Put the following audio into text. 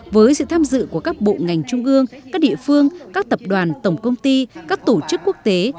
với sự tham dự của các bộ ngành trung ương các địa phương các tập đoàn tổng công ty các tổ chức quốc tế